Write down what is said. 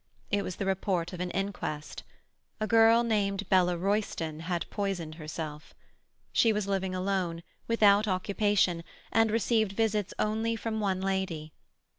It was the report of an inquest. A girl named Bella Royston had poisoned herself. She was living alone, without occupation, and received visits only from one lady.